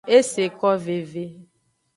Eseko veve.